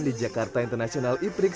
di jakarta internasional iprik